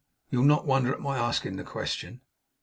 You'll not wonder at my asking the question.